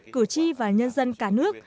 cử tri và nhân dân cả nước